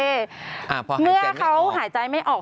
พอหายใจไม่ออกเมื่อเขาหายใจไม่ออก